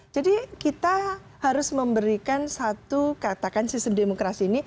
jadi kita harus memberikan satu katakan sistem demokrasi ini